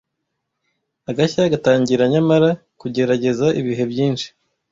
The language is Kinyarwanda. Agashya gatangira nyamara kugerageza ibihe byinshi,